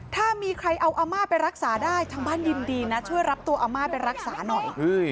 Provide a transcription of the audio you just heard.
ถ้ามีใครเอาอาม่าไปรักษาได้ทางบ้านยินดีนะช่วยรับตัวอาม่าไปรักษาหน่อย